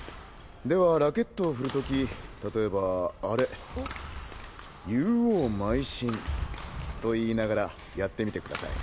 ではラケットを振る時例えばアレ「勇往邁進」と言いながらやってみて下さい。